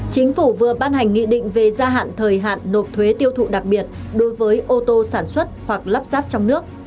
chính phủ vừa ban hành nghị định về gia hạn thời hạn nộp thuế tiêu thụ đặc biệt đối với ô tô sản xuất hoặc lắp ráp trong nước